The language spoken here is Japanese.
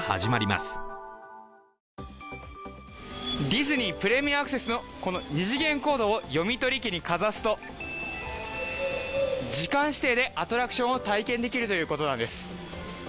ディズニー・プレミアアクセスの二次元コードを読み取り機にかざすと時間指定でアトラクションを体験できるということなんです。